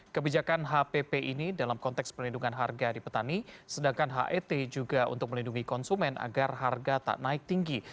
kebijakan hpp ini dalam konteks perlindungan harga di petani sedangkan het juga untuk melindungi konsumen agar harga tak naik tinggi